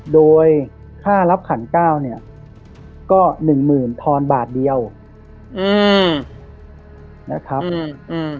โดยค่ารับขันเก้าเนี่ยก็หนึ่งหมื่นทอนบาทเดียวอืมนะครับอืม